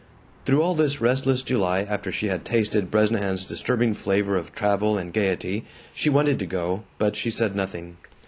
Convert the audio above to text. Through all this restless July after she had tasted Bresnahan's disturbing flavor of travel and gaiety, she wanted to go, but she said nothing.